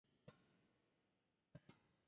僕はじっと見ていた。特に理由があったわけじゃない。